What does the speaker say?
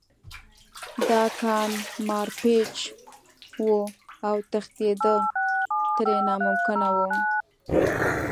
دا کان مارپیچ و او تېښته ترې ناممکنه وه